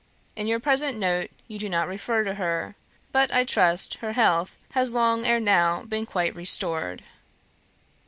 In your present note you do not refer to her, but I trust her health has long ere now been quite restored.